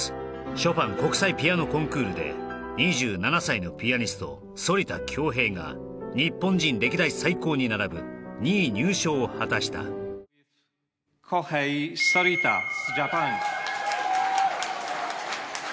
ショパン国際ピアノコンクールで２７歳のピアニスト反田恭平が日本人歴代最高に並ぶ２位入賞を果たしたＫｙｏｈｅｉＳｏｒｉｔａＪａｐａｎ